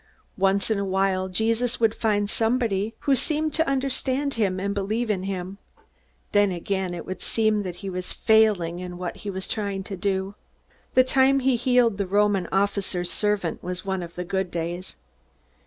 Once in a while Jesus would find somebody who seemed to understand him and believe in him. Then again it would seem that he was failing in what he tried to do. The time he healed the Roman officer's servant was one of the good days.